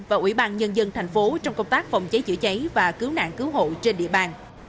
và ủy ban nhân dân thành phố trong công tác phòng cháy chữa cháy và cứu nạn cứu hộ trên địa bàn